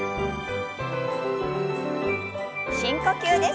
深呼吸です。